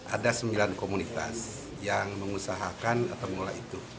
ada sembilan komunitas yang mengusahakan atau mengolah itu